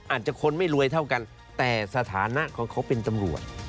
อาจจะคนไม่รวยเท่ากันแต่สถานะของเขาเป็นตำรวจ